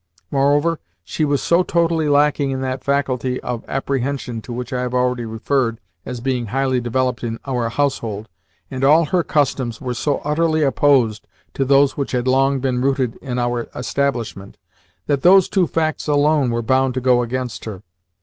Moreover, she was so totally lacking in that faculty of "apprehension" to which I have already referred as being highly developed in our household, and all her customs were so utterly opposed to those which had long been rooted in our establishment, that those two facts alone were bound to go against her.